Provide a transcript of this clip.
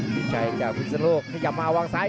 พี่ชัยจากพิศนโลกขยับมาวางซ้าย